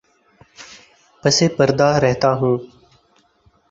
پس پردہ رہتا ہوں